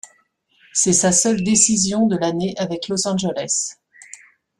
C'est sa seule décision de l'année avec Los Angeles.